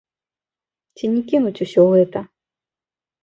Ці не кінуць усё гэта?